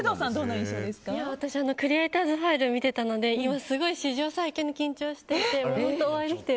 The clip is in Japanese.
クリエイターズ・ファイル見ていたので今すごい史上最強に緊張していて。